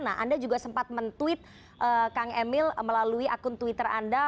nah anda juga sempat men tweet kang emil melalui akun twitter anda